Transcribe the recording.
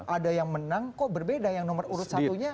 ada yang menang kok berbeda yang nomor urut satunya